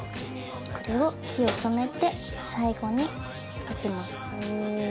これを、火を止めて最後にかけます。